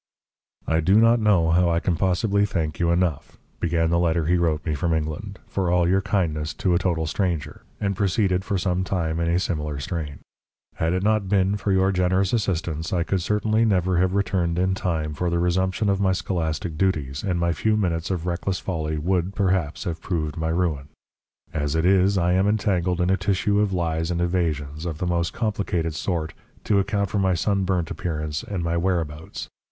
"I do not know how I can possibly thank you enough," began the letter he wrote me from England, "for all your kindness to a total stranger," and proceeded for some time in a similar strain. "Had it not been for your generous assistance, I could certainly never have returned in time for the resumption of my scholastic duties, and my few minutes of reckless folly would, perhaps, have proved my ruin. As it is, I am entangled in a tissue of lies and evasions, of the most complicated sort, to account for my sunburnt appearance and my whereabouts.